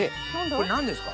これ何ですか？